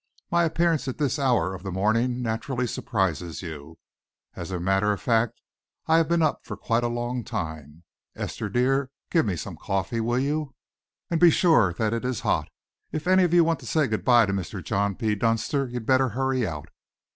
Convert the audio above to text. "My appearance at this hour of the morning naturally surprises you. As a matter of fact, I have been up for quite a long time. Esther dear, give me some coffee, will you, and be sure that it is hot. If any of you want to say good by to Mr. John P. Dunster, you'd better hurry out."